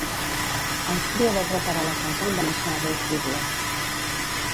Àustria vol reparar la casa on va néixer Adolf Hitler.